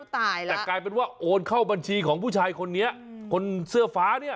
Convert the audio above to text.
แต่กลายเป็นว่าโอนเข้าบัญชีของผู้ชายคนนี้คนเสื้อฟ้าเนี่ย